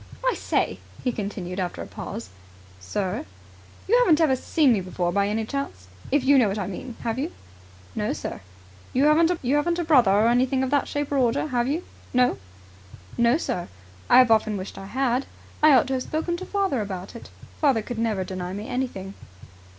"I say!" he continued, after a pause. "Sir?" "You haven't ever seen me before by any chance, if you know what I mean, have you?" "No, sir." "You haven't a brother, or anything of that shape or order, have you, no?" "No, sir. I have often wished I had. I ought to have spoken to father about it. Father could never deny me anything."